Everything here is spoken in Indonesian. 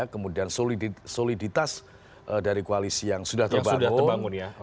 kemudian soliditas dari koalisi yang sudah terbangun